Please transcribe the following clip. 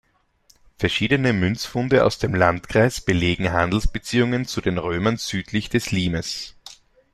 Verschiedene Münzfunde aus dem Landkreis belegen Handelsbeziehungen zu den Römern südlich des Limes.